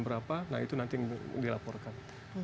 berapa nah itu nanti dilaporkan